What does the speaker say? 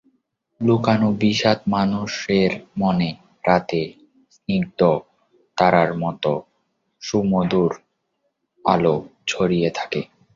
লুকানো বিষাদ মানুষের মনে রাতে স্নিগ্ধ তারার মতো সুমধুর আলো ছড়িয়ে থাকে।